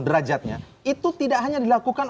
derajatnya itu tidak hanya dilakukan